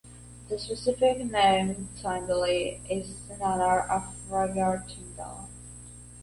The specific name, "tindalli", is in honor of Roger Tindall.